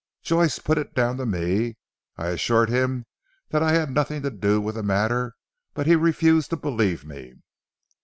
Joyce put it down to me. I assured him that I had nothing to do with the matter, but he refused to believe me."